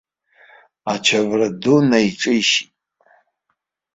Ачабра ду наиҿишьит.